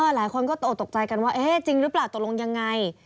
หลายคนก็ตกตกใจกันว่าเอ๊ะจริงหรือเปล่าตกลงยังไง